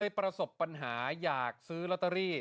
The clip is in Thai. ประสบปัญหาอยากซื้อลอตเตอรี่